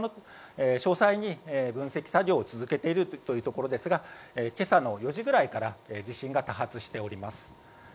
詳細に分析作業を続けているというところですが今朝の４時ぐらいから地震が多発しております。